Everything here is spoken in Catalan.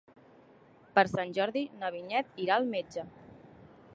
Per Sant Jordi na Vinyet irà al metge.